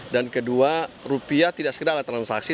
dan kedua rupiah tidak sekedar transaksi